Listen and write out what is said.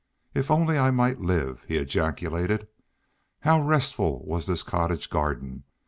"If only I might live!" he ejaculated. How restful was this cottage garden!